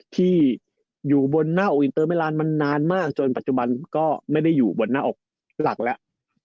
ที่อยู่บนหน้าอกอินเตอร์มิลานมันนานมากจนปัจจุบันก็ไม่ได้อยู่บนหน้าอกหลักแล้ว